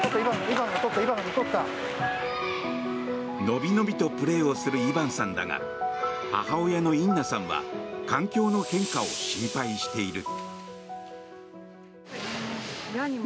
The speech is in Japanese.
伸び伸びとプレーをするイバンさんだが母親のインナさんは環境の変化を心配している。